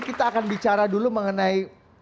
kita akan bicara dulu mengenai